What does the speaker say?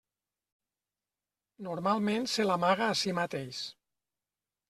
Normalment se l'amaga a si mateix.